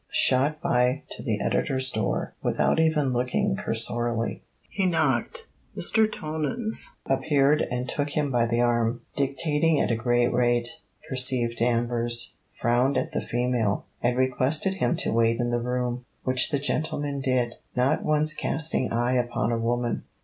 shot by to the editor's door, without even looking cursorily. He knocked. Mr. Tonans appeared and took him by the arm, dictating at a great rate; perceived Danvers, frowned at the female, and requested him to wait in the room, which the gentleman did, not once casting eye upon a woman.